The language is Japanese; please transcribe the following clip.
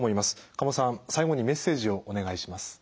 加茂さん最後にメッセージをお願いします。